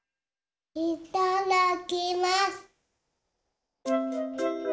いただきます！